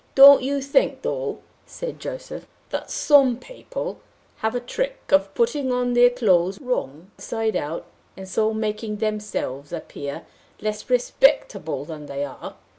"Don't you think, though," said Joseph, "that some people have a trick of putting on their clothes wrong side out, and so making themselves appear less respectable than they are?